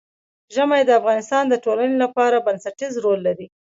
ژمی د افغانستان د ټولنې لپاره بنسټيز رول لري.